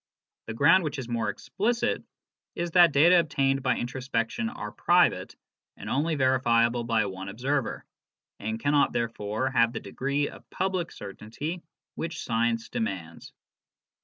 The ground which is the more explicit is that 12 BERTRAND RUSSELL. data obtained by introspection are private and only verifiable by one observer, and cannot therefore have that degree of public certainty which science demands.